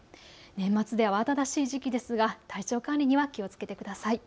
年末で慌ただしい時期ですが体調管理には気をつけてください。